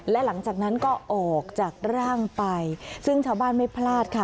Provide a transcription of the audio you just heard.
และหลังจากนั้นก็ออกจากร่างไปซึ่งชาวบ้านไม่พลาดค่ะ